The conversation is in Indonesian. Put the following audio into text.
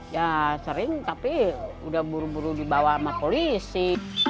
ya sering tapi udah buru buru dibawa sama polisi